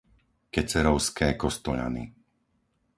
Kecerovské Kostoľany